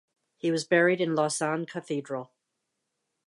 He was buried in Lausanne Cathedral.